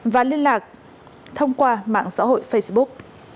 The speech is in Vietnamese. và liên lạc thông qua mạng xã hội facebook